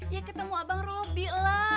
ya ketemu abang robby lah